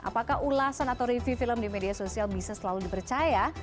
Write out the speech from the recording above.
apakah ulasan atau review film di media sosial bisa selalu dipercaya